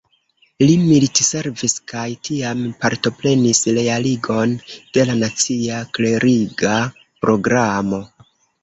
Li militservis kaj tiam partoprenis realigon de la nacia kleriga programo.